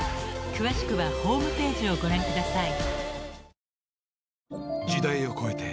［詳しくはホームページをご覧ください］